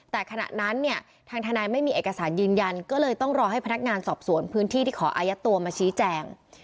แต่ขณะนั้นเนี่ยทางทนายไม่มีเอกสารยืนยันก็เลยต้องรอให้พนักงานสอบสวนพื้นที่ที่ขออายัดตัวมาชี้แจง